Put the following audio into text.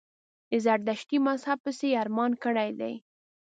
د زردشتي مذهب پسي یې ارمان کړی دی.